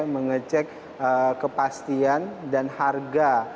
mengecek kepastian dan harga